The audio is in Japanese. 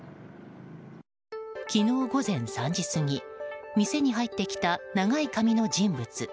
昨日午前３時過ぎ店に入ってきた長い髪の人物。